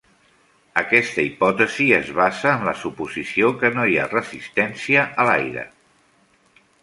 Aquesta hipòtesi es basa en la suposició que no hi ha resistència a l'aire.